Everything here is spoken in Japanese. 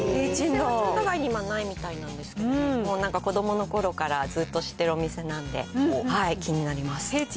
中華街以外にはないみたいなんですけど、なんか子どものころからずっと知ってるお店なので、気になります。